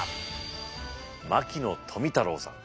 牧野富太郎さん。